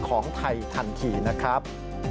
ของไทยทันทีนะครับ